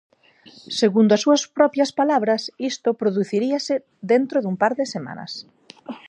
Segundo as súas propias palabras, isto produciríase "dentro dun par de semanas".